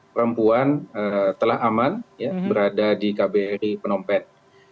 perempuan telah aman berada di kbri penompen